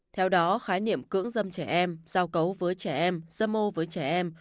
theo đó khái niệm cưỡng dâm trẻ em giao cấu với trẻ em dâm ô với trẻ em